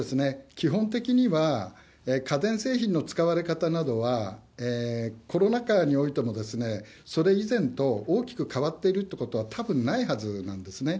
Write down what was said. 基本的には、家電製品の使われ方などは、コロナ禍においても、それ以前と大きく変わっているっていうことは、たぶんないはずなんですね。